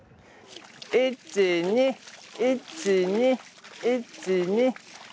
１２１２１２１２。